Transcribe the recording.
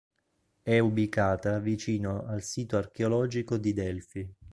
È ubicata vicino al Sito Archeologico di Delfi.